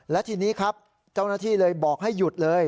และทีนี้ครับเจ้าหน้าที่เลยบอกให้หยุดเลย